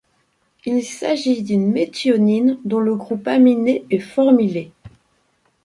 Il s'agit d'une méthionine dont le groupe aminé est formylé.